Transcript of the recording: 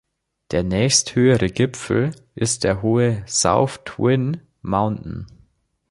Der nächsthöhere Gipfel ist der hohe South Twin Mountain.